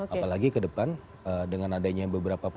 apalagi ke depan dengan adanya beberapa